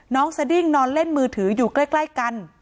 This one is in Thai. สดิ้งนอนเล่นมือถืออยู่ใกล้กัน